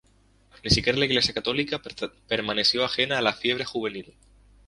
Ni siquiera la Iglesia católica permaneció ajena a la "fiebre juvenil".